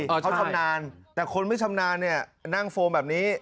เขาชำนาญแต่คนไม่ชำนาญเนี่ยนั่งโฟมแบบนี้